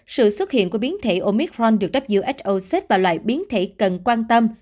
sự xuất hiện của biến thể omicron được who xếp vào loại biến thể cần quan tâm